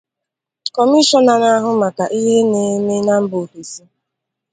Kọmishọna na-ahụ maka ihe na-eme na mba ofesi